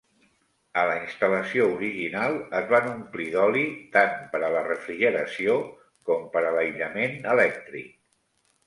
A la instal·lació original es van omplir d'oli tant per a la refrigeració com per a l'aïllament elèctric.